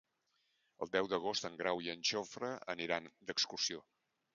El deu d'agost en Grau i en Jofre aniran d'excursió.